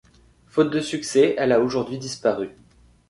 Faute de succès, elle a aujourd'hui disparu.